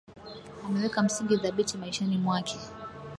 Ameweka msingi dhabiti maishani mwake